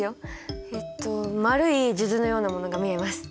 えっと丸い数珠のようなものが見えます。